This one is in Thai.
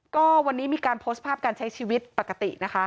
ก็วันนี้มีการโพสต์ภาพการใช้ชีวิตปกตินะคะ